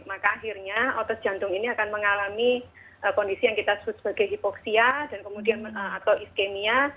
maka akhirnya otot jantung ini akan mengalami kondisi yang kita sebut sebagai hipoksia atau iskemia